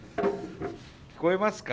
聞こえますか？